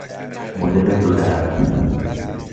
مدل دو در